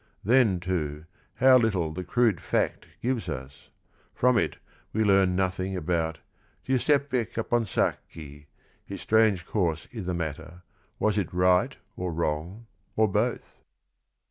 Then, too, how little the "crude fact" gives us ! From it we learn nothing about "Giuseppe Caponsacchi; — his strange course I' the matter, was it right or wrong or both?